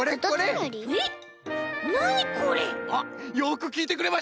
あっよくきいてくれました。